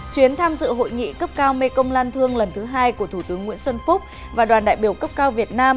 chuyến tham dự hội nghị cấp cao mekong lan thương lần thứ hai của thủ tướng nguyễn xuân phúc và đoàn đại biểu cấp cao việt nam